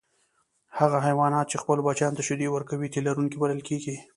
هغه حیوانات چې خپلو بچیانو ته شیدې ورکوي تی لرونکي بلل کیږي